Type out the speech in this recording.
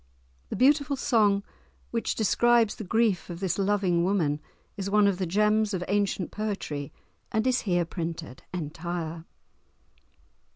The beautiful song which describes the grief of this loving woman is one of the gems of ancient poetry, and is here printed entire.